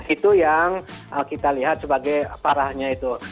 itu yang kita lihat sebagai parahnya itu